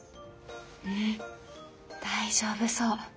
うん大丈夫そう。